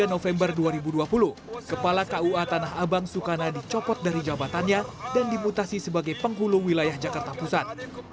dua puluh november dua ribu dua puluh kepala kua tanah abang sukana dicopot dari jabatannya dan dimutasi sebagai penghulu wilayah jakarta pusat